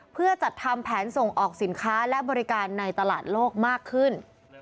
เพื่อจัดทำแผนส่งออกสินค้าและบริการในตลาดโลกมากขึ้น